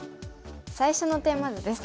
最初のテーマ図です。